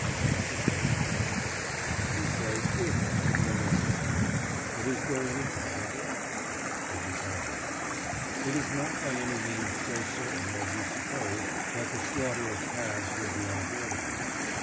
CONSISTENCY MAN: You say "if" it were necessary, but is there any doubt of it? VEGETARIAN: It is not by any means so certain as you suppose that the slaughter of calves would be unavoidable.